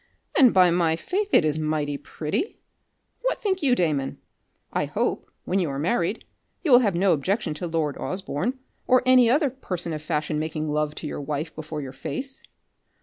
And by my faith, it is mighty pretty. What think you Damon? I hope, when you are married, you will have no objection to lord Osborne, or any other person of fashion making love to your wife before your face."